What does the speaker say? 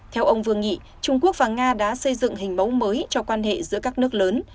theo ông vương nghị trung quốc và nga đã xây dựng hình mẫu mới cho quan hệ giữa các nước lớn